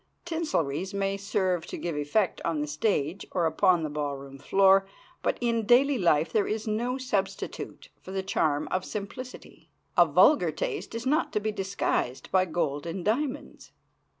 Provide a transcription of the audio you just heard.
Tinselries may serve to give effect on the stage or upon the ball room floor, but in daily life there is no substitute for the charm of simplicity. A vulgar taste is not to be disguised by gold and diamonds.